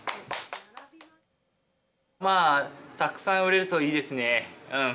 まあたくさん売れるといいですね。